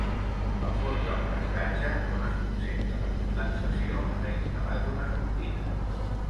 Al fons del prestatge, on es concentra la condensació, s'ha instal·lat una sortida.